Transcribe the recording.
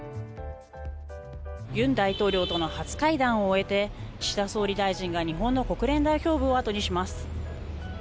尹大統領との初会談を終えて岸田総理大臣が、日本の国連代表部を後にします。